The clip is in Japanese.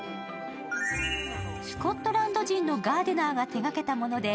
スコットランド人のガーデナーが手がけたもので、